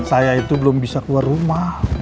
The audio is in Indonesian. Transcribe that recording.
saya itu belum bisa keluar rumah